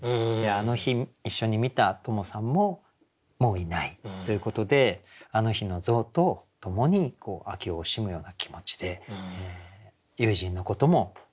あの日一緒に見たトモさんももういないということであの日の象とともに秋を惜しむような気持ちで友人のことも惜しむ。